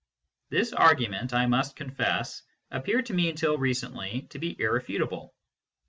This argument I must confess appeared to me until recently to be irre futable.